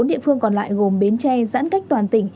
bốn địa phương còn lại gồm bến tre giãn cách toàn tỉnh